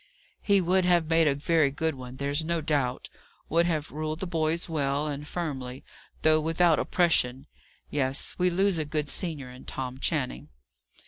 "He would have made a very good one, there's no doubt. Would have ruled the boys well and firmly, though without oppression. Yes, we lose a good senior in Tom Channing."